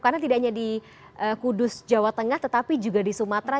karena tidak hanya di kudus jawa tengah tetapi juga di sumatera